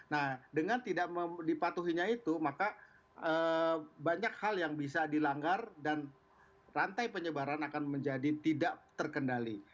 nah dengan tidak dipatuhinya itu maka banyak hal yang bisa dilanggar dan rantai penyebaran akan menjadi tidak terkendali